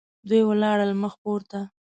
دوی ولاړل مخ پورته.